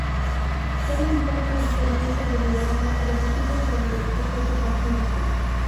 Solo importa el tormento deliberado producido sobre el sujeto pasivo.